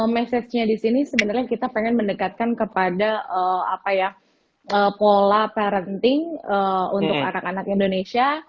message nya di sini sebenarnya kita pengen mendekatkan kepada pola parenting untuk anak anak indonesia